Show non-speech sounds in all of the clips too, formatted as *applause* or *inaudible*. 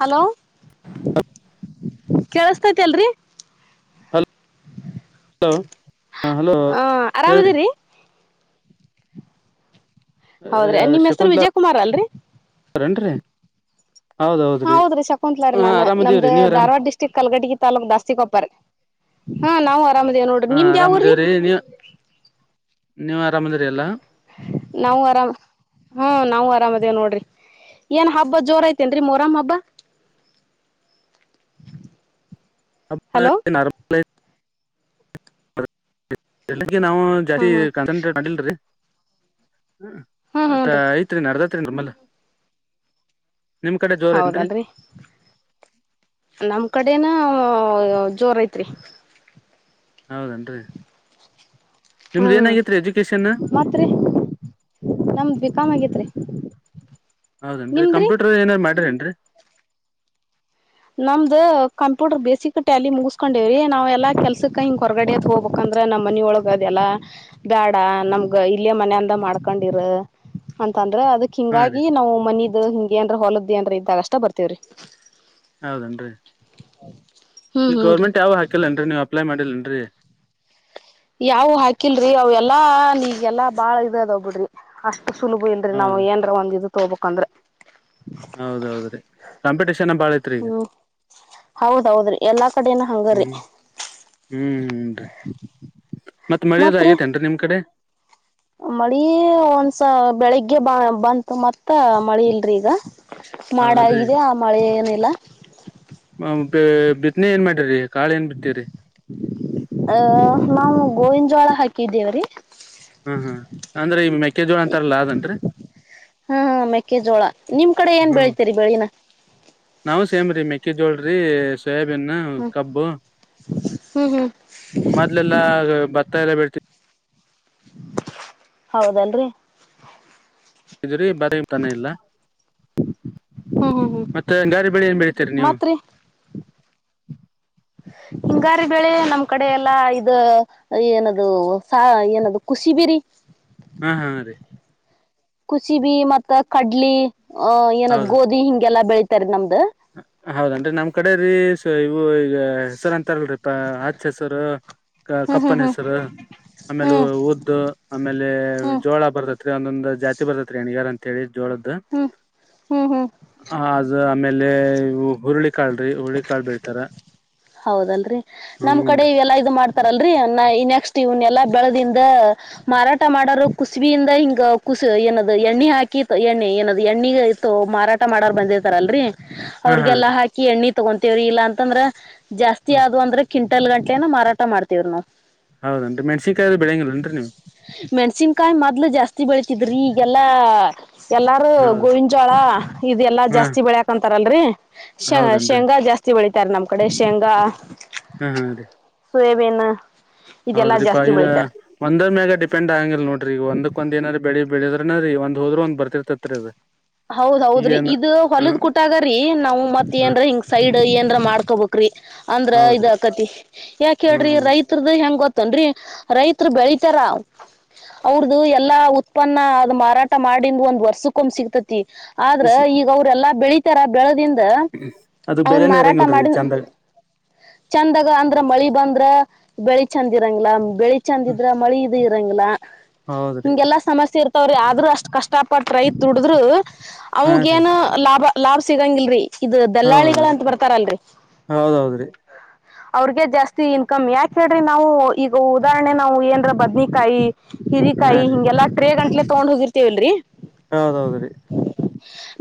Hello ಹಪ್ಪ ಕೇಳಸ್ತೈತಿ ಅಲ್ರರಿ ಹಲೋ ಹಾಂ ಹಲೋ ಹ ಹೇಳಿ ಆರಾಮದಿರಿ ಹೌದ್ರಿ ನಿಮ್ ಹೆಸರು ವಿಜಯ ಕುಮಾರ್ ಅಲ್ರರಿ ಶಕುಂತಲೇನು ರೀ ಹೌದ್ರೀ ಶಕುಂತ್ಲ ರ ಹಾ ನನ್ ನಮ್ದ ಆರಾಮದೀವ್ರಿ ನೀವ್ ಆರಾಮ್ ಧಾರವಾಡಿಸ್ಟ ಕ್ ಕಲಗಟಿ ತಾಾಲೂಕ್ ದಾಸ್ತಿ ಕೊಪ್ಪಾರ ಹಾ ನಾವು ಆರಾಮ್ೇವ ನೋಡ್ರಿ ಹಾ ನಿಮ್ದ್ ಯಾವಊ್ರೀ ನೀವು ಆರಾಮದಿ್ರ ಎಲ್ಲಾ ನಾವು ಆರಾಮ್ ಹೂ ನಾವು ಆರಾಮ್ದೇವ ನೋಡ್ರಿ ಏನ್ ಹಬ್ಬ ಜೋರ ಐತೆೇನ್ರೀ ಮೊರಾಮ್ ಹಬ್ಬ *inaudible* ಅ ಹಲೋ ನ *inaudible* ಬೆಳ್ಳಿಗೆ ನಾವು ಜಾಸ್ತಿ ಹ್ಮ್ ಹ್ಮ್ ಕನ್ಸ ಮಾಡಲ್ರಿ ಹ ಹ್ಮ್ ಹೂನ್ರಿ ಆಯ್ *unintelligible* ತ್ರಿ ನರ್ದತ್ರಿ ನಲ್ಲ ನಿಮ್ ಕಡೆ ಜೋರ ಇಯನ್ರಿ *unintelligible* ಹೌದಲ್ರಿ ನಮ್ ಕಡೆನ ಜೋರ ಐತ್ರಿ *unintelligible* ಹೌದೇನ್ ರೀ ನಿಮ್ದು ಏನಾಗಿತ್ತು ರೀ ಎಜುಕೇಷನ್ *unintelligible* ತ್ರಿ ನಮ್ದ ಬಿಕಾಮ್ ಆಗತ್ ರೀ *unintelligible* ಹೌದೇನ್ರಿ ಕಂಪ್ಯೂಟರ್ ಏನಾರ ಮಾಡಿರಿನ್ರಿ *unintelligible* ನಮ್ದ್ ಕಂಪ್ಯೂಟರ್ ಬೇಸಿಕ್ ಟ್ಯಾಲಿ ಮುಗಿಸಸ್ಕೊಂಡಿವವ್ರೀ ನಾವ್ಲ್ಲ ಕೆಲ್ಸಕ ಹಿಂಗ್ ಹೊರಗಡದ ಹೋಗ್ಬೇಕ *unintelligible* ಯಕಂದ್ರೆ ನಮ್ಮ ಮನ ಒಳಗ ಅದೆಲ್ಲ *unintelligible* ಬ್ಯಾಡ ನಮ್ಗ ಇಲ್ಲೇ ಮನ ಅಂದ ಮಾಡ್ಕೊಂಡಿರ ಅಂತಂದ್ರೆ ಅದಕ್ *unintelligible* ಹಾ ರೀ ಹಿಂಗಾಗಿ ನಾವು ಮನದ್ ಹಿಂಗಿ ಅಂ ದ್ರ ಹೊಲದ್ದಿ ಅಂದ್ರ ಇದ್ದಾಗ ಅಷ್ಟ ಬರ್ತೇವ್ರಿ *unintelligible* ಹೌದೇನ್ ರೀ *unintelligible* ಹೌ ಈ ಗೌರ್ಮೆಂಟ್ ಯಾವ ಹಾಕಿಲ್ಲಏ ರೀ ನೀವು ಅಪ್ಲೈ ಮಾಡಿಲ್ಲೇನ್ರಿ ಯಾವ ಹಾಕಿಲ್ರರಿ ಅವ ಎಲ್ಲಾ ನೀಗೆಲ್ಲಾ ಬಾಳ ಇದು ಅದಾವ ಬಿಡ್ರಿ ಅಷ್ಟ ಸುಲಭ ಇಲ್ರರಿ ನಾವ್ ಹೌದು ಏನ್ರ ಒಂದ್ ಇದು ತೊೋಬಬೇಕಕ್ಂದ್ರ ಹೌದೌದ ರೀ ಕಂಪಿಟೇಷನ್ ಬಾಳ ಐತ್ ರೀ ಈಗ ಹ್ಮ್ ಹೌದೌದ್ರಿ ಎಲ್ಲಾ ಕಡೆನ ಹಂಗ್ರರಿ ಹೂ ಹನ್ರಿ ಮತ್ತ್ ಮಳೆದ ಆಗೇತೆೇನ್ರರಿ ನಿಮ್ ಕಡೆ ಹ ಮಳಿ ಒಂದಸ ಬೆಳಿಗ್ಗೆ ಬ ಬಂತು ಮತ್ತ ಮಳಿ ಇಲ್ರಿ ಈಗ ಹೌದನ್ರಿ ಮಾಡಾಗಿದೆ ಆ ಮಳೆ ಏನಿಲ್ಲ ಬಿತ್ತನೆ ಏನ್ ಮಾಡಿರಿ ಕಾಳ ಏನ್ ಬಿತ್ತೀರರಿ *unintelligible* ಅಹ ನಾವು ಗೋವನ್ಜೋಳ ಹಾಕಿದೇವ್ರೀ *unintelligible* ಹೂ ಹೂ ಅಂದ್ರೆ ಈ ಮೆಕ್ಕೆಜೋಳ ಅಂತಾರಲ್ಲಾ ಅದೇನ್ರಿ *unintelligible* ಹಾ ಮೆಕ್ಕೆಜೋಳ ನಿಮ್ ಕಡೆ ಏನ್ ಹ್ಮ್ ಬೆಳ್ತರಿ ಬೆಳಿನ. ನಾವು ಸೇಮ್ರಿ ಮೆಕ್ಕೆ ಜೋಳ ರೀ. ಸೊಯಾಬ್ ಕಬ್ಬು ಹ್ಮ್ ಹ್ಮ್ ಮೊದ್ಲೆಲ್ಲ ಭತ್ತ ಎಲ್ಲ ಬೆಳಿ. ಹೌದಲ್ರಿ. ್ರರಿ ಬಾರಿ ತಾನ ಇಲ್ಲ ಹ್ಮ್ ಹ್ಮ್ ಹ್ಮ್ ಮತ್ತೆ ಗಾರಿ ಬೆಳ ಏನ್ ಬೆಳಿತೀರಿ ನೀವು. ಮತ್ರಿ ಹಿಂಗಾರಿ ಬೆೇಳೆ ನಮ್ ಕಡೆ ಎಲ್ಲಾ ಇದ. ಏನದು ಸ ಏನದು ಖುಷಿ ಬಿರಿ. ಹ್ಮ ಹಾ ರೀ. ಕುಸಿಬಿ ಮತ್ತ ಕಡ್ಲಿ ಅಹ ಏನದ್ ಹೌದು ಗೋಧಿ ಹಿಂಗೆಲ್ಲ ಬೆಳ ತರ್ದ ನಮ್ದು. ಹೌದನ್ರಿ ನಮ್ ಕಡೆ ರೀ ಇವು ಈಗ ಹೆಸರು ಅಂತಾರಲ್ರರಿ ಪ ಆಚ್ ಹೆಸರು. ಹ್ಮ್ ಕಪ್ಪನ್ ಹ್ಮ್ ಹೆಸರು ಆಮೇಲೆ ಹ್ಮ್ ಉದ್ದ. ಆಮೇಲೆ ಹ್ಮ್ ಜೋಳ ಬರ್ತತ್ರಿ ಒಂದೊಂದ್ ಜಾತಿ ಬರ್ತತ್ರಿ ಹೆಣ್ಣಿಗಾರ ಅಂತ ಹೇಳಿ ಜೋಳದ್ದ. ಹ್ಮ್ ಹ್ಮ್ ಹ್ಮ್- ಹ ಅದು ಆಮೇಲೆ ಹುರುಳಿಕಾಳ್ರಿ ಹುರುಳಿಕಾಳ್ ಬೀಳ್ತಾರ. ಹೌದಲ್ರರಿ ನಮ್ ಕಡೆ ಇವೆಲ್ಲಾ ಇದು ಮಾಡ-. ತಾರಲ್ರರಿ ನೆಕ್ಸ್ಟ್ ಇವ್ನ್ಎಲ್ಲಾ ಬೆಳೆದಿಂದ. ಮಾರಾಟ ಮಾಡೋರು ಕುಸಬಿಯಿಂದ ಹಿಂಗ ಕುಸ ಏನದು ಎಣ್ಣೆ ಹಾಕಿ ಎಣ್ಣೆ ಏನ್ ಎಣ್ಣಿ-. ಮಾರಾಟ ಮಾಡರ್ ಬಂದಿತಾರಲ್ರರಿ. ಹಾ ಹಾ ಅವ್ರಿಗೆಲ್ಲಾ ರೀ ಹಾಕಿ ಎಣ್ಣಿ ತಗೊಂತೇವ್ರಿ ಇಲ್ಲಾ ಅಂತಂದ್ರ ಜಾಸ್ತಿ ಹ್ಮ್ ಆದ ಅಂದ್ರೆ ಕಿಂ. ಎಂಟಲ್ ಗಂಟಲೆನ ಮಾರಾಟ ಮಾಡ್ತೀವ್ ನಾವು. ಹೌದೇನ್ ಮೆಣಸಕಾಯ್ರ ಬೆಳಂಗಿಲ್ಲನ್ರಿ ನೀವು. ಮೆಣ್ಸಿನ್ಕಾಯಿ ಮೊದ್ಲು ಜಾಸ್ತಿ ಬೆಳತಿದ್ರಿ ಈಗೆಲ್ಲ-. ಎಲ್ಲಾರು ಹೌದ ಗೋವಿನ ಜೋಳ ಇದೆಲ್ಲಾ ಹಾ ಜಾಸ್ತಿ ಬೆಳಿಯಕ್ಂತಾರಲ್ರರಿ. ಶ ಹೌದನ್ರಿ ಶೇಂಗಾ ಜಾಸ್ತಿ ಬೆಳಿತಾರೆ ನಮ್ ಕಡೆ. ಶೇಂಗಾ, ಹಾ ಹಾ ರೀ ಸೋಯಬೀನ್ ಇದೆಲ್ಲಾ ಜಾಸ್ತಿ ಬೆಳಿತಾರೆ. ಒಂದ ಮಾಗ ಡಿಪೆಂಡ್ ಆಗಂಗಿಲ್ಲ ನೋಡ್ರಿಗ ಒಂದಕ್ ಒಂದ್ ಏನಾರ ಬ ಬೆಳ ಬೆಳಿದ್ರನ ರಿ ಒಂದ್ ಹೊದರು ಒಂದ ಬರ್ತಿರ್ತತ್ರಿೀ. ಹೌದ್ೌದ್ರಿ ಇದ ಹೊಲದ್ ಕುಟಾಗ್ರೀ ನಾವ್ ಮತ್ ಹ ಏನ್ರ ಹಿಂಗ್ ಸೈಡ್ ಏನ್ರ ಮಾಡ್ಕೋಬೇಕ್ರಿ. ಅಂದ್ರ ಹೌದ್ರಿ ಇದಕತಿ ಯಾಕ ಹೇಳ್ರಿ ಹ್ಮ್ ರೈತ. ತ್ರದ ಹೆಂಗ ಗೊತ್ತನ್ರಿ ರೈತ್ರ ಬೆಳಿತಾರ. ಅವ್ರದುು ಎಲ್ಲಾ ಉತ್ಪನ್ನ ಅದು ಮಾರಾಟ ಮಾಡಂದು ಒಂದ್ ವರ್ಷಕ್ಕ ಒಂದು್ ಸಿಗ್ತತಿ. ತಿ ಆದ್ರ ಈಗ ಅವ್ರೆಲ್ಲಾ ಬೆಳಿ. ತರ ಬೆಳದಿಂದ ಅದು ಅವನ್ ಬೆಲೆನೇ ಮಾರಾಟ ಇರಂಗಿಲ್ರಿ ಮಾಡ. ಚಂದಾಗ ಚಂದಾಗ ಅಂದ್ರ ಮಳಿ ಬಂದ್ರ ಬೆಳಿ ಚಂದ ಇರಂಗಲ ಬೆಳಿ ಚಂದ ಇದ್ರ ಮಳಿ ಇದ. ಂ *inaudible* ಗಿಲ್ಲಾ ಹೌದ್ರಿ ಹಿಂಗೆಲ್ಲಾ ಸಮಸ್ಯೆ ಇರ್ತವ್ರಿ ಆದ್ರರು ಅಷ್ಟ್ ಕಷ್ಟ ಪಟ್ಟ ರೈತ ದುಡಿದ್ರು. ಹಾ ರೀ ಅವಗೇಏನು ಲಾಭ ಲಾಭ್ ಸಿಗಂಗಿಲ್ರಿ. ಇದು ಹೌದೌದ್ರಿ ದಲ್ಲಾಳಿಗಳಂತ ಬರ್ತಾರಲ್ರಿ. ಹೌದೌದ್ರಿ ಅವ್ರಗೆ ಜಾಸ್ತಿ ಇನ್ಕಮ್ ಯಾಕ ಹೇಳ್ರಿ ನಾವು-. ಈಗ ಉದಾಹರಣೆ ನಾವು ಏಂದ್ರ ಬದನಿಕಾಯಿ. ಹಾ ಹಿರಿಕಾಯಿ ರೀ ಹಿಂಗೆಲ್ಲ ಅಟ್ರೇ ಗಂಟ್ಲೆ ತಗೊಂಡ ಹೋಗಿರ್ತಿವಲ್ರರಿ. ಹೌದೌದ್ರೀ.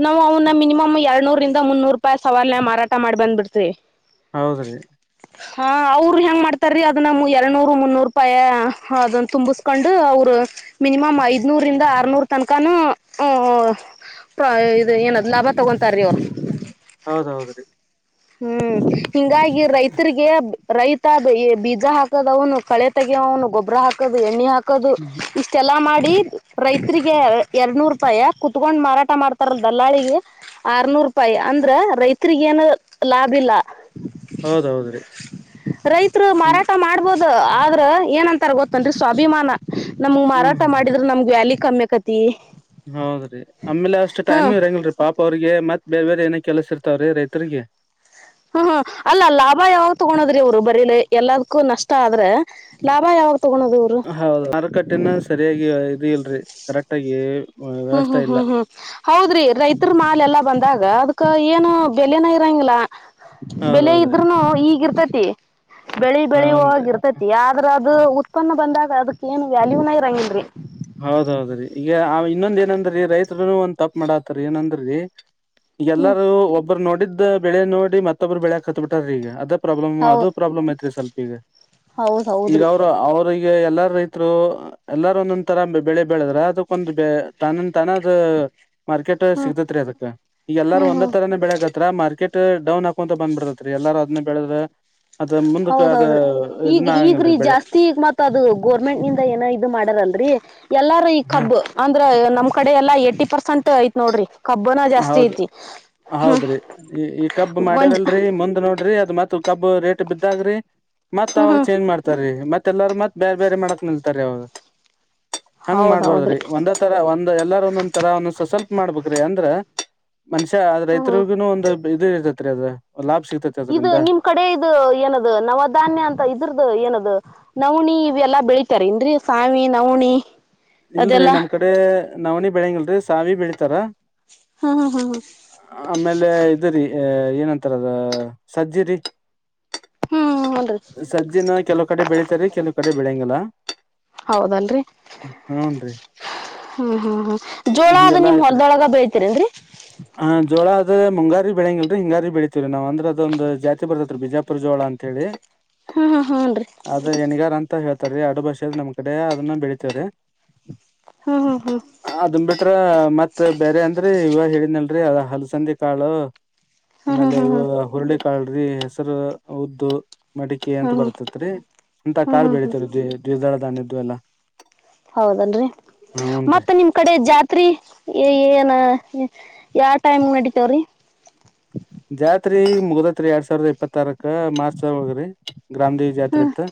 ನಾವು ಅವನ್ನ ಮಿನಿಮಮ್ ಎರಡ್ನೂರರಿಂದ ಮುನ್ನೂರು ರೂಪಾಯಿ ಸವಾಲನ ಮಾರಾಟ ಮಾಡಿ ಬಂದ್ಬಿಡ್ತರಿ. ಹೌದ್ರಿ. ಹ-. ಹಾ ಅವರು ಹೆಂಗ್ ಮಾಡ್ತಾರೀ ಅದನ್ನ ಎರನೂರು ಮುನ್ನೂರು ರೂಪಾಯಿ ಅದನ್ನ ತುಂಬಿಸ್ಕೊಂಡು ಅವರು. ಮಿನಿಮಮ ಐದ್ನೂರಿಂದ ಆರ್ನೂರ್ ತನಕಾನೂ ಅ ತ ಇದು ಏನದ ಲಾಭಾ ತಗೊಂತಾರೀ ಅವ್ರು ಹೌದ ಹೌದ ರೀ ಹು ಹಿಂಗಾಗಿ ರೈತರಿಗೆ ರೈತ ಅ ಬೀಜಾ ಹಾಕದ ಅವನು ಕಳೆ ತಗಿಯವನು ಗೊಬ್ಬರಾ ಹಾಕೋದು ಎಣ್ಣೆ ಹಾಕೋದು ಹ್ಮ್ ಇಷ ಸ್ಟೇಲ್ಲಾ ಮಾಡಿ ರೈತ್ರಿಗೆ ಎರಡನೂರು ರೂಪಾಯಿ ಕುತ್ಕೊಂಡ್ ಮಾರಾಟಾ ಮಾಡ್ತಾರಲ್ಲ ದಲ್ಲಾಳಿಗೆ. ಆರ್ನೂರೂಪಾಯಿ ಅಂದ್ರ ರೈತ್ರಿಗೆ ಏನು ಲಾಭ ಇಲ್ಲಾ. ಹೌದೌದ್ರಿ ರೈತರು ಅಂದ್ರ ಮಾರಾಟಾ ಮಾಡ್ಬೋದು. ಆದ್ರ ಏನಂತಾರ ಗೊತ್ತನಡ್ರಿ ಸ್ವಾಭಿಮಾನಾ ನಮ್ಮಗ ಮಾರಾಟಾ ಹ್ಮ್ ಮಾಡಿದ್ರ ನಮ್ಮಗ ವ್ಯಾಲಯಿ ಕಮ್ಮಿ ಅಕೇತಿ. ತ್ತಿ. ಹೌದ್ರೀ ಆಮೇಲೆ ಅಷ್ಟ ಟೈಮು ಇರಂಗಿಲ್ಲರೀ ಪಾಪ ಅವ್ರಿಗೆ ಮತ್ತ ಬೇರೆ ಬೇರೆ ಏನೇ ಕೆಲಸ ಇರ್ತಾವ ರೀ ರೈತರಿಗೆ. ಹು ಹು ಅಲ್ಲಾ ಲಾಭಾ ಯಾವಾಗ ತಗೋಳೋದ್ರಿ ಅವ್ರು ಬರೀಲಿ ಎಲ್ಲದಕ್ಕೂ ನಷ್ಟ ಆದ್ರೆ. ಲಾಭಾ ಯಾವಾಗ ತಗೋಳೋದು ಅವರು. ಹೌದು ಮಾರುಕಟ್ಟೆನ ಸರಿಯಾಗಿ ಇದು ಇಲ್ರಿ ಕರೆಕ್ಟ್ ಆಗಿ. ಹು ಹು ವ್ಯವಸ್ಥೆ ಹು ಇಲ್ಲ ಹು ಹೌದ್ರಿ ರೈತರ ಮಾಲ್ ಎಲ್ಲಾ ಬಂದಾಗ ಅದ್ ಕ್ಕ ಏನು ಬೆಲನ ಇರೋಂಗಿಲ್ಲಾ. ಬೆಲೆ ಹೌದೌದ್ರಿ ಇದ್ರುನು ಈಗಿರ್ತತಿ ಬೆಳಿ ಹನ್ರಿ ಬೆಳೆಯುವಾಗ ಇರ್ತತಿ ಯಾದ್ರ ಅದು ಉತ್ಪನ್ನ ಬಂದಾಗ ಅದಕ್ಕ ಏನು ವ್ಯಾಲ್ಯೂನ ಇರಂಗಿಲ್ರಿ. ಹೌದ ಹೌದ್ರೀ ಈಗ ಆ ಇನ್ನೊಂದ ಏನಂದ್ರೀ ರೈತ್ರುನು ಒಂದ ತಪ್ಪ ಮಾಡಾತ್ತಾರ ಏನಂದ್ರೀ. ಹ್ಮ್ ಈಗೆಲ್ಲಾರು ಒಬ್ರು ನೋಡಿದ್ದ ಬೆಳೆ ನೋಡಿ ಮತ್ತೊಬ್ಬರು ಬೆಳ್ಯಾಕ ಕತ ಬಿಟ್ಟಾರಿ ಈಗ ಅದ ಪ್ರಾಬ್ಲಮ್ ಅದು ಹೌದ್ ಪ್ರಾಬ್ಲಮ್ ಐತ್ರಿ ಸ್ವಲ್ಪ ಈಗ ಹೌದ್ ಈಗ ಹೌದ್ರಿ ಅವ್ರ ಅವ್ರ. ಇಗ ಎಲ್ಲಾರ ರೈತರು ಎಲ್ಲಾರ ಒಂದ. ತರ ಬೆಳೆ ಬೆಳದ್ರ ಅದಕ್ಕೊಂದು ತಾನ ತಾನ ಅದ. ಮಾರ್ಕೆಟ್ ಹ್ಮ್ ಸಿಗತತ್ರಿ ಅದಕ ಈಗ ಎಲ್ಲಾರೂ ಹ್ಮ್ ಒಂದ ಹ್ಮ್ ತರಾನೇ ಬೆಳಕತ್ರ ಮಾರ್ಕೆಟ್. ಡೌನ್ ಆಕೊಂತ ಬಂದ ಬಿಡ್ತತ್ರಿ ಎಲ್ಲಾರ ಅದನ್ನ ಬೆಳದ್ರ. ಅದ ಮುಂದಕ್ಕ ಅದ ಹೌದೌದ್ರಿ ಇದನ್ನ ಆಗಂಗಿಡ್ರಿ ಬೆಳೆ. ತ್ತ ಅದು ಗೋರ್ಮೆಂಟ್ ನಿಂದ ಏನೋ ಇದು ಮಾಡಾರಲ್ರಿ ಎಲ್ಲಾರು ಈ ಹ ಕಬ್ಬು ಅಂದ್ರ ನಮ್ಮ ಕಡೆ ಎಲ್ಲಾ ಏಟಿ ಪರ್ಸೆಂಟ್ ಐತ್ ನೋಡ್ರಿ. ಕಬ್ಬನ ಜಾಸ್ತಿ ಹೌದ ಐತಿ ಹೌದ್ರಿ ಈ ಈ ಕಬ್ಬ ಗೊಂಜ ಮಾಡ್ಯಾರಲ್ರಿ ಮುಂದ ನೋಡ್ರಿ ಅದ ಮತ್ತ. ಕಬ್ಬ ರೇಟ್ ಬಿದ್ದಾಗ್ರಿ ಮತ್ತ ಹ್ಮ್ ಅವಾಗ ಹ್ಮ್ ಚೇಂಜ್ ಮಾಡ್ತಾರೀ ಮತ್ತೆ ತ್ತೆಎಲ್ಲಾರ ಮತ್ತ ಬೇರೆ ಬೇರೆ ಮಾಡಕ್ ನಿಲ್ತಾರೆ ಅವರು ಹಂಗ ಹೌದ್ ಮಾಡ್ಬಾರದ್ರೀ ಹೌದ್ರಿ ಒಂದ ತರಾ ಒಂದ ಎಲ್ಲಾರೂ ಒಂದೊಂದ ತರಾ ಒಂದ ಸ್ವಲ್ಪ ಮಾಡ್ಬೇಕರಿ. ಅ ದ್ರ ಮನುಷ್ಯ ಹ್ಮ್ ಹ್ಮ್ ರೈತರಿಗು ಒಂದು ಇದು ಇರ್ತತ್ರಿ ಅದ ಲಾಭ ಸಿಕ್ತತಿ. ಇದು ನಿಮ್ಮ ಕಡೆ ಇದು ಏನದು ನವಧಾನ್ಯ ಅಂತ ಇದ್ರದು ಏನದು. ನವನಿ ಇವೆಲ್ಲಾ ಬೆಳೀತಾರೆಂದ್ರೀ ಸಾವಿ. ನವಣಿ ಇಲ್ಲಡ್ರಿ ಅದೆಲ್ಲಾ ನಮ್ಮ ಕಡೆ ನವನಿ ಬೆಳಂಗಿಲ್ಲಡ್ರಿ ಸಾವಿ ಬೆಳತಾರಾ. ಹ್ಮ್ ಹ್ಮ್ ಹ್ಮ್ ಆಮೇಲೆ ಇದರಿ ಏನಂತಾರ ಅದ ಸಜ್ಜಿರಿ. ಹು ಹುಡ್ರಿ. ಸಜ್ಜಿನ ಕೆಲವು ಕಡೆ ಬೆಳೀತಾರಿ ಕೆಲವು ಕಡೆ ಬೆಳಗಿಲ್ಲ. ಹೌದ ಡ್ರಿ. ಹು ಹು ಹು ಜೋಳ ಅದ ನಿಮ್ಮ ಹೊಲದೋಳಗ ಬೆತೀರೆಂಡ್ರಿ. ಹಾ ಜೋಳ ಅದೆ ಮುಂಗಾರಿ ಬೆಳಂಗಿಲಡ್ರಿ ಹಿಂಗಾರಿ ಬಿಜಾ ಬೆಳಿತಿವ ನಾವ ಅದೊ ಒಂದು ಜಾತಿ ಬರ್ತತ ಬಿಜಾ ಪುರುಜೋಳಾ ಅಂತ ಹೇಳಿ. ಹು ಹು ಹುಡ್ರಿ ಅದ ಯಣಿಗಾರಾ ಅಂತ ಹೇಳ್ತಾರೆ ಅಡು ಭಾಷೆ ನಮ್ಮ ಕಡೆ ಅದನ್ನ ಬೆಳಿತೆವರಿ. ಹಾ ಹಾ ಹಾ ಅದನ್ ಬಿಟ್ರ ಮತ್ ಬೇರೆ ಅಂದ್ರಿ ಇವಾಗ ಹೇಳಿದ್ನಲ್ರಿ ಅದ ಹಲ್ಸಂದಿ ಕಾಳು ಹ್ಮ್ ಹ್ಮ್ ಆಮೇಲೆ ಹ್ಮ್ ಇವು ಹುರುಳಿಕಾಳ್ರಿ ಹೆಸರು ಉದ್ದು ಮಟಿಕಿ ಅಂತ ಹ್ಮ್ ಬರ್ತತ್ ರಿ ಅಂತ ಹ್ಮ್ ಹ್ಮ್ ಹ್ಮ್ ಕಾಳ್ ಹ್ಮ್ ಹ್ಮ್ ಬೆಳಿತೇವ್ ರೀ *unintelligible* ದ್ವಜಾಳಧನ್ದ್ದು ಎಲ್ಲಾ ಹೌದನ್ರಿ ಹೂನ್ ರೀ ಮತ್ ನಿಮ್ ಕಡೆ ಜಾತ್ರಿ ಏನ ಯಾವ ಟೈಮ್ ನಡಿತವ್ರೀ ಜಾತ್ರಿ ಮುಗದಾತ್ರಿ ಎರಡ್ ಸಾವಿರದ ಇಪ್ಪತ್ತಾರಕ ಮಾರ್ಚ್ ಹೋಗ್ರಿ ಗ್ರಾಮದ ಜಾತ್ರಿ ಇತ್ತು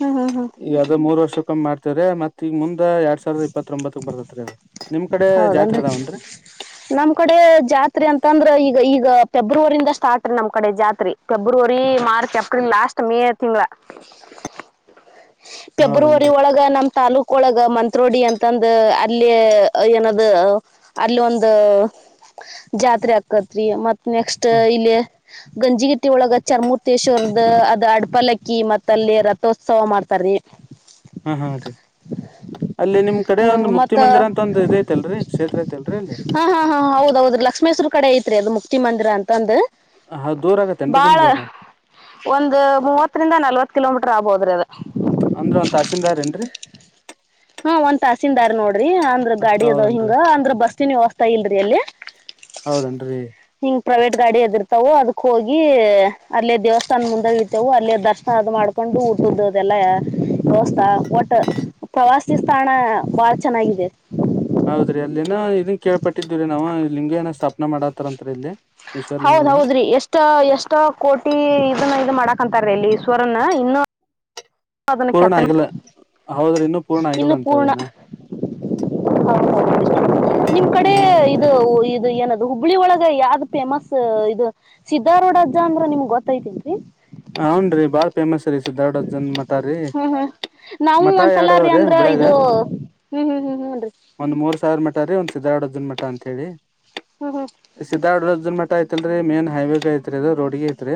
ಹ್ಮ್ ಹ್ಮ್ ಹ್ಮ್ ಈಗ ಅದ ಮೂರ್ ವರ್ಷಕ್ಕ್ ಓಂ ಮಾಡ್ತಾರೆ ಮತ್ ಈಗ ಮುಂದ ಎರಡ್ ಸಾವಿರದ ಇಪ್ಪತ್ತೊಂಬತ್ತಕ್ ಬರ್ತತ್ರಿ ನಿಮ್ ಕಡೆ ಜಾತ್ರೆ ಹೌದನ್ರಿ ಅದಾವನ್ರಿ ನಮ್ ಕಡೆ ಜಾತ್ರೆ ಅಂತಂದ್ರ ಈಗ ಈಗ ಫೆಬ್ರವರಿಯಿಂದ ಸ್ಟಾರ್ಟ್ ರೀ ನಮ್ ಕಡೆ ಜಾತ್ರೆ February March April last May ತಿಂಗಳ ಫೆಬ್ರವರಿ ಹೌದನ್ರಿ ಒಳಗ ನಮ್ ತಾಲೂಕ್ ಒಳಗ ಮಂತ್ರೋಡಿ ಅಂತಂದ ಅಲ್ಲಿ ಏನಾದ ಅಲ್ಲಿ ಒಂದು ಜಾತ್ರೆ ಆಕತ್ರಿ ಮತ್ತ ನೆಕ್ಸ್ಟ್ ಹ ಇಲ್ಲಿ ಗಂಜಿಗಿಟ್ಟಿ ಒಳಗ ಚರ್ಮೂರ್ತೇಶ್ವರದ ಅದ ಅಡ್ಪಲಕ್ಕಿ ಮತ್ತ ಅಲ್ಲಿ ರಥೋತ್ಸವ ಮಾಡ್ತಾರಿ ಹ *unintelligible* ಹಾ ಹಾ ಅದೇ ಅಲ್ಲಿ ನಿಮ್ ಕಡೆ ಹ ಒಂದು ಮುಕ್ತಿ ಮತ್ತ ಮಂದಿರ ಅಂತ ಅಂತ ಒಂದ್ ಇದ ಐತೆಲ್ರಿ ಕ್ಷೇತ್ರ ಐತ್ ಅಲ್ರಿ ಅಲ್ಲಿ ಹಾ ಹಾ ಹಾ ಹೌದೌದು ಲಕ್ಷ್ಮೇಶ್ವರ ಕಡೆ ಐತ್ರಿ ಅದು ಮುಕ್ತಿ ಮಂದಿರ ಅಂತ ಅಂದು ಹ ಹ ದೂರ ಆಗತ್ತ ಎನ್ರೀ ನಿಮಗೆ ಅದು ಒಂದ್ ಮೂವತ್ತರಿಂದ ನಲ್ವತ್ ಕಿಲೋಮೀಟರ್ ಆಬೋದ್ರಿ ಅದ ಅಂದ್ರ ಒಂದ್ ತಾಸೀನ್ದಾರ್ ಏನ್ರೀ ಹ್ಮ ಒಂದ್ ತಾಸೀನ್ದಾರ್ ನೋಡ್ರಿ ಅಂದ್ರ ಗಾಡಿ ಅದ ಹೌದನ್ರಿ ಹಿಂಗ ಅಂದ್ರ ಬಸ್ ಬಸ್ ಇನ್ ವ್ಯವಸ್ಥೆ ಇಲ್ರಿ ಅಲ್ಲಿ ಹೌದನ್ರೀ ಹಿಂಗ್ ಪ್ರೈವೇಟ್ ಗಾಡಿ ಎದಿರ್ತವು ಅದಕ್ ಹೋಗಿ ಅಲ್ಲೇ ದೇವಸ್ಥಾನ ಮುಂದಾಗ ಇತವು ಅಲ್ಲ ದರ್ಶನ ಅದ್ ಮಾಡ್ ಕೊಂಡು ಊಟದದೆಲ್ಲ ವ್ಯವಸ್ಥಾ ಒಟ್ಟ ಪ್ರವಾಸಿ ತಾಣ ಬಾಳ ಚೆನ್ನಾಗಿದೆ ಹೌದ್ರಿ ಅಲ್ಲಿನ ಇದನ್ ಕೇಳ್ಪಟ್ಟಿದ್ದಿವ್ರಿ ನಾವು ಲಿಂಗ ಏನ ಸ್ಥಾಪನಾ ಮಾಡತಾರಂತ್ ಇಲ್ಲಿ ಈಶ್ವರ ಹೌದ್ ಲಿಂಗನ ಹೌದ್ರಿ ಎಷ್ಟು ಎಷ್ಟ ಎಷ್ಟ ಕೋಟಿ ಇದನ್ನ ಇದ್ ಮಾಡಕ್ಂತಾರೀ ಈಶ್ವರನ್ನ ಇನ್ನು ಪೂರ್ಣ ಅದನಕ್ಕೆತ್ತನೆ ಆಗಿಲ್ಲ ಹೌದ್ರಿ ಇನ್ನು ಪೂರ್ಣ ಆಗಿಲ್ಲ ಇನ್ನು ಪೂರ್ಣ ಅಂತವೇನ ಹೌದೌದು ನಿಮ್ ಕಡೆ ಹೂನ್ರಿ ಇದು ಇದು ಏನ ಹುಬ್ಬಳಿ ಒಳಗ ಯಾವ್ದ್ ಫೇಮಸ್ ಇದು ಸಿದ್ದರೊಡಜ್ಜ ಅಂದ್ರ ನಿಮ್ಗ್ ಗೊತ್ತೈತನ್ರಿ ಹನ್ ರೀ ಬಾ ಫೇಮಸ್ ರೀ ಸಿದಡ್ಡಜನ್ ಮಠ ರೀ ಹ್ಮ್ ಹ್ಮ್ ನಾವು ಮಠ ಎರಡ ಒಂದ್ಸಲಾರಿ ಅದಾವ್ರೀ ಅಂದ್ರ ಹುಬ್ಬಳ್ಳಿ ಇದು ಯಾಗ ಹ್ಮ್ ಹ್ಮ್ ಹ್ಮ್ ಹುನ್ರಿ ಒಂದ್ ಮೂರ್ ಸಾವಿರ ಮಠ ರೀ ಒಂದ್ ಸಿದ್ದ್ಧರಡಜನ್ ಮಠ ಅಂತ ಹೇಳಿ ಹ್ಮ್ ಹ್ಮ್ ಸಿದ್ದಾರ್ಡ್ಜಾನ್ ಮಠ ಐತಲ್ರಿ ಮೇನ್ ಹೈವೇಗೆ ಐತ್ರಿ ಅದು ರೋಡ್ಗ ಐತ್ರಿ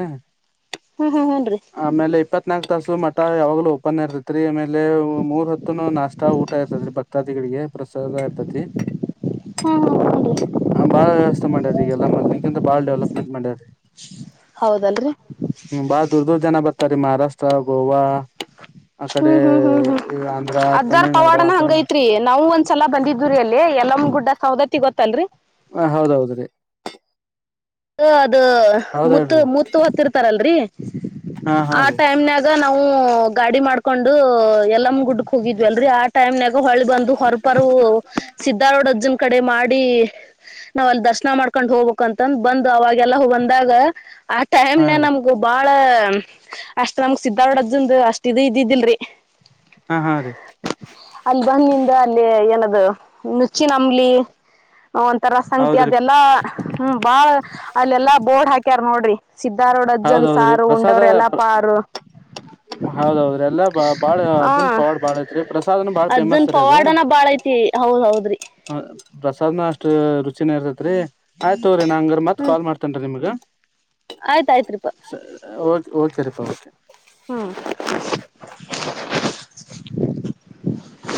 ಹ್ಮ್ ಹ್ಮ ಹೂನ್ರಿ ಆಮೇಲೆ ಇಪ್ಪತ್ನಾಲ್ಕು ತಾಸು ಮಠ ಯಾವಾಗಲೂ ಓಪನ್ ಇರ್ತತ್ರಿ ಆಮೇಲೆ ಮೂರ್ ಹೊತ್ತುನು ನಾಷ್ಟ ಊಟ ಇರ್ತತಿ ಭಕ್ತಾದಿಗಳಿಗೆ ಪ್ರಸಾದ ಇರ್ತತಿ *inaudible* ಹ್ಮ್ ಹ ಬಾಳ ವ್ಯವಸ್ಥೆ ಮಾಡ್ಯಾರೀ ಈಗಲ್ಲ ಮೊದ್ಲಿಕ್ಕಿಂತ ಬಾಳ್ ಡೆವಲಪ್ಮೆಂಟ್ ಮಾಡ್ಯರೀ ಹೌದಲ್ರಿ ಹ್ಮ್ ಬಾಳ ದೂರ್ ದೂರ್ ಜನ ಬರ್ತಾರೆ ಮಹಾರಾಷ್ಟ್ರ ಗೋವಾ ಆ ಕಡೆ ಹ್ಮ್ ಹ್ಮ್ ಹ್ಮ್ ಹ್ಮ್ ಈ ಆಂಧ್ರ ಅಜ್ಜಾರ್ ತಮಿಳ್ನಾಡು ಆ ಪವಾಡನ ಕಡೆ ಹಂಗೈತ್ರಿ ನಾವು ಒಂದ ಒಂದ್ಸಲ ಬಂದಿದ್ವಿ ರೀ ಅಲ್ಲಿ ಎಲ್ಲಮ್ಮನ್ ಗುಡ್ಡ ಸೌದತ್ತಿ ಗೊತ್ತಲ್ರಿ ಹ ಹೌದೌದ ರೀ ಅದ ಹೌದ ಮುತ್ತ ಹೇಳ್ರಿ ಮುತ್ತು ಹೊತ್ತಿರ್ತಾರಲ್ರಿ ಹಾ ಹಾ ಆ ರೀ ಟೈಮ್ನಾಗ ಗ ನಾವು ಗಾಡಿ ಮಾಡ್ಕೊಂಡು ಎಲ್ಲಮ್ಮನ್ ಗುಡ್ಡಕ್ ಹೋಗಿದ್ವಿಲ್ರಿ ಆ ಟೈಮ್ ನಗ ಹೊಳ್ಳಿ ಬಂದು ಹೊರಪರ್ ಸಿದ್ದಾರ್ಡ್ಜಜನ್ ಕಡೆ ಮಾಡಿ ನಾವ್ ಅಲ್ಲಿ ದರ್ಶನ ಮಾಡ್ಕೊಂಡ್ ಹೋಗ್ಬೇಕ ಅಂತಂದ ಬಂದು ಅವಾಗೆಲ್ಲ ಬಂದಾಗ ಆ ಟೈಮ್ ಹಾ ನ ರೀ ನಮ್ಗೊಬ್ ಬಾಳ ಅಷ್ಟ್ ನಮಗ ಸಿದ್ದರ್ಡಜ್ಜಂದು ಅಷ್ಟ ಇದ ಇದಿದ್ದಿಲ್ರಿ ಹಾ ಹಾ ರೀ ಅಲ್ಲಿ ಬಂದಿಂದ ಅಲ್ಲಿ ಏನದು ನುಚ್ಚಿನಂಬ್ಲಿ ಒಂತರ ಸಂಗತಿ ಹೌದ್ರಿ ಅದೆಲ್ಲಾ ಹ್ಮ ಬಾಳ ಅಲ್ಲೆಲ್ಲಾ ಬೋರ್ಡ್ ಹಾಕಿ ಹಕ್ಕ್ಯಾರ್ ನೋಡ್ರಿ ಸಿದ್ದರೊಡಜ್ಜನ್ ಹೌದೌದ್ರಿ ಸಾರು ಉಂಡವ್ರ ಎಲ್ಲಾ ಪಾರು ಹೌದೌದ್ರೀ ಎಲ್ಲಾ ಬ ಬಾಳ ಹ ಅಜ್ಜನ್ ಪವಾಡ್ ಬಾಳ ಐತ್ರಿ ಪ್ರಸಾದ್ನ ಬಾಳ ಅಜ್ಜನ್ ಫೇಮಸ್ ರಿ ಅದ ಪವಾಡನ ಬಾಳ ಐತಿ ಹೌದ್ ಹೌದ್ರಿ ಹ ಪ್ರಸಾದ್ನ ಅಷ್ಟು ರುಚಿನ ಇರ್ತೈತ್ ರೀ ಆಯ್ತು ತಗೋರೀ ನಾ ಹಂಗಾರೆ ಮತ್ತೆ ಕಾಲ್ ಮಾಡ್ತೇನ್ ರೀ ನಿಮ್ಗೆ ಆಯ್ತ್ ಆಯ್ತ್ ರೀ ಪಾ ಸರಿ ಓಕೆ ಓಕೆ ರಿ ಪಾ ಓಕೆ ಹ್ಮ್